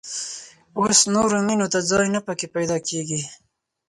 اوس نورو مېنو ته ځای نه په کې پيدا کېږي.